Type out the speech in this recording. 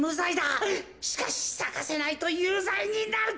しかしさかせないとゆうざいになる。